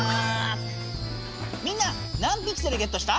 みんな何ピクセルゲットした？